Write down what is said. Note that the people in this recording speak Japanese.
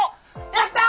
やった！